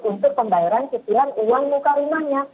untuk pembayaran cipilan uang muka rumahnya